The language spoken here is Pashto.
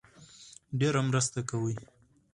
ډېره مرسته کوي